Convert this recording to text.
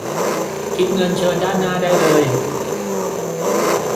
คิดเงินเชิญด้านหน้าได้เลย